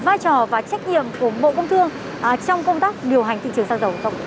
sơ bộ về vai trò và trách nhiệm của bộ công thương trong công tác điều hành thị trường xăng dầu không